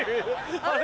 あれ？